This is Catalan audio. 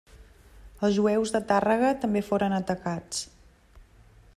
Els jueus de Tàrrega també foren atacats.